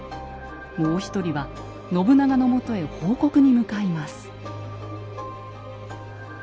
もう一人は信長のもとへ報告に向かいます。